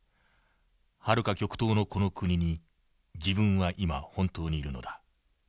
はるか極東のこの国に自分は今本当にいるのだ。